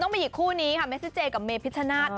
ต้องไปหยิกคู่นี้แม่เจ๊เจกับเมพิชชนาตร